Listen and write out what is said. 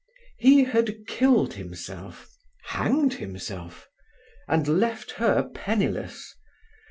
He had killed himself—hanged himself—and left her penniless.